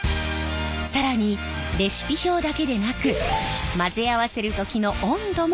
更にレシピ表だけでなく混ぜ合わせる時の温度も重要。